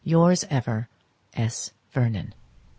Yours ever, S. VERNON.